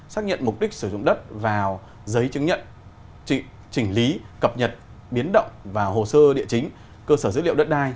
xác nhận mục đích sử dụng đất vào giấy chứng nhận chỉnh lý cập nhật biến động vào hồ sơ địa chính cơ sở dữ liệu đất đai